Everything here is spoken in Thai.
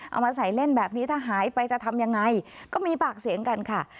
เอามาใส่เล่นแบบนี้ถ้าหายไปจะทำยังไงก็มีปากเสียงกันค่ะ